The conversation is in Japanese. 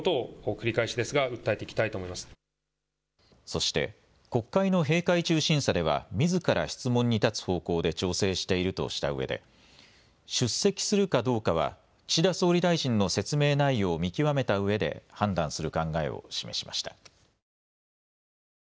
そして国会の閉会中審査ではみずから質問に立つ方向で調整しているとしたうえで出席するかどうかは岸田総理大臣の説明内容を見極めたうえで判断する考えを示しました。